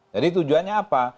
jadi tujuannya apa